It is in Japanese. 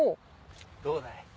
どうだい？